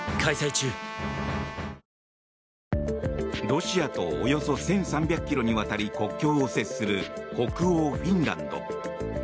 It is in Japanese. ロシアとおよそ１３００ｋｍにわたり国境を接する北欧フィンランド。